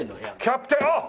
キャプテンあっ！